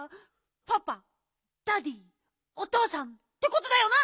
パパダディーおとうさんってことだよな？